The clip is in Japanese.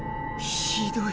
ひどい。